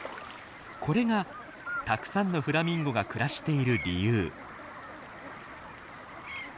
これがたくさんのフラミンゴが暮らしている理由。